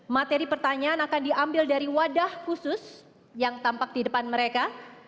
materi pertanyaan akan diambil dari wadah khusus yang tampak di depan mereka